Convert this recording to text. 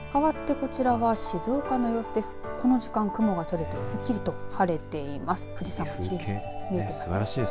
この時間、雲が取れてすっきりと晴れています。